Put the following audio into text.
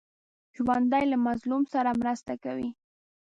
ژوندي له مظلوم سره مرسته کوي